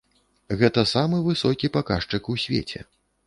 Гэта самы высокі паказчык у свеце.